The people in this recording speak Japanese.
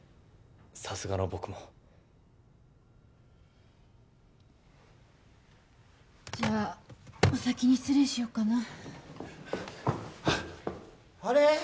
さすがの僕もじゃあお先に失礼しよっかなあれ？